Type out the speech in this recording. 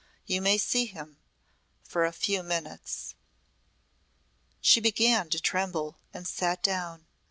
You may see him for a few minutes." She began to tremble and sat down.